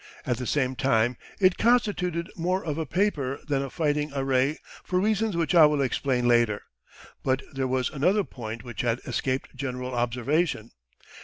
At the same time it constituted more of a paper than a fighting array for reasons which I will explain later. But there was another point which had escaped general observation.